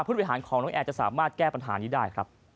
ผู้โดยหน่วยของนกแอร์จะสามารถแก้ปัญหานี้ได้